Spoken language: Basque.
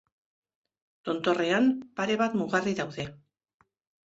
Tontorrean, pare bat mugarri daude.